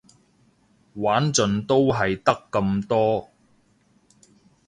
玩盡都係得咁多